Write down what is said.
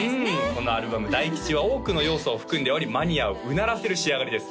このアルバム「大吉」は多くの要素を含んでおりマニアをうならせる仕上がりです